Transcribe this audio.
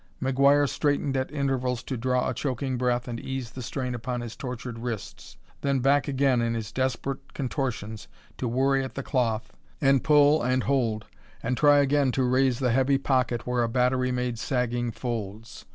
McGuire straightened at intervals to draw a choking breath and ease the strain upon his tortured wrists; then back again in his desperate contortions to worry at the cloth and pull and hold and try again to raise the heavy pocket where a battery made sagging folds.